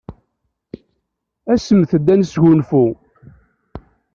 Asemt-d ad nesgunfu.